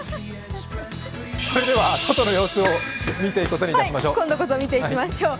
外の様子を見ていくことにいたしましょう。